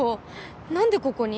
何でここに？